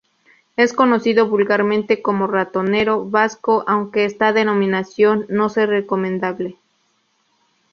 Es conocido vulgarmente como "ratonero vasco", aunque esta denominación no sea recomendable.